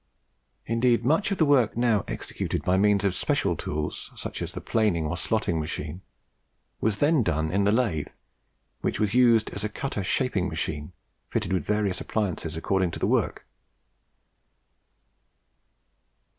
Indeed much of the work now executed by means of special tools, such as the planing or slotting machine, was then done in the lathe, which was used as a cutter shaping machine, fitted with various appliances according to the work.